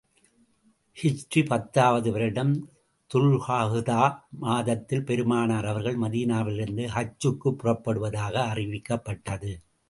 ஹிஜ்ரீ பத்தாவது வருடம் துல்கஃதா மாதத்தில், பெருமானார் அவர்கள் மதீனாவிலிருந்து ஹஜ்ஜுக்குப் புறப்படுவதாக அறிவிக்கப்பட்டது.